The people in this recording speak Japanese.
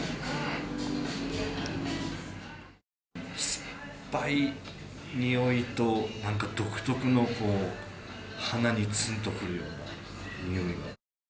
酸っぱいにおいとなんか独特の、鼻につんとくるようなにおい。